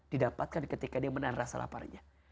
didapatkan ketika dia menahan rasa laparnya